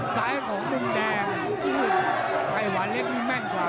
ซ้ายของมุมแดงไขหวานเล็กนี่แม่นกว่า